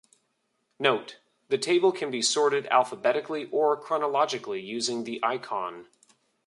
Note: The table can be sorted alphabetically or chronologically using the icon.